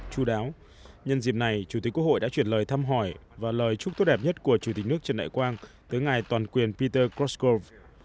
chú đáo nhân dịp này chủ tịch quốc hội đã chuyển lời thăm hỏi và lời chúc tốt đẹp nhất của chủ tịch nước trần đại quang tới ngài toàn quyền peter coscho